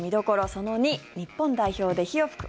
その２日本代表で火を噴く！